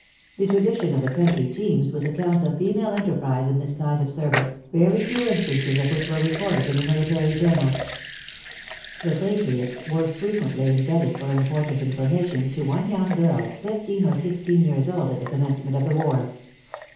The tradition of the country teems with accounts of female enterprise in this kind of service, very few instances of which were recorded in the military journals. The patriots were frequently indebted for important information to one young girl, fifteen or sixteen years old at the commencement of the war.